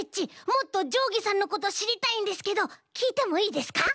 もっとじょうぎさんのことしりたいんですけどきいてもいいですか？